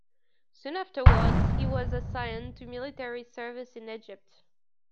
Soon afterwards he was assigned to military service in Egypt.